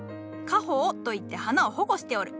「花苞」といって花を保護しておる。